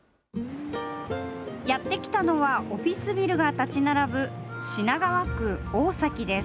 やって来たのは、オフィスビルが建ち並ぶ品川区大崎です。